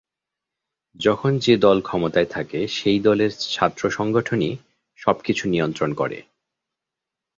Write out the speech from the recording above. যখন যে দল ক্ষমতায় থাকে, সেই দলের ছাত্রসংগঠনই সবকিছু নিয়ন্ত্রণ করে।